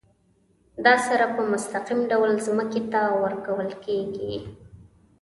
دا سره په مستقیم ډول ځمکې ته ورکول کیږي.